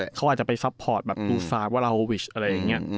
เพราะเขาก็จะไปซับพอร์ตแบบตู้สารว่าเราฮ่อวิชอะไรอย่างนี้